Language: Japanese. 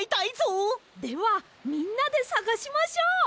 ではみんなでさがしましょう！